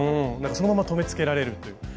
そのまま留めつけられるという。